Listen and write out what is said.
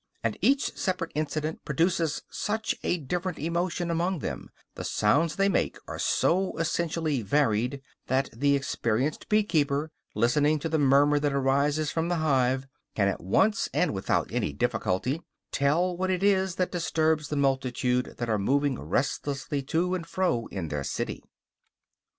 And each separate incident produces such a different emotion among them, the sounds they make are so essentially varied, that the experienced bee keeper, listening to the murmur that arises from the hive, can at once and without any difficulty tell what it is that disturbs the multitude that are moving restlessly to and fro in their city.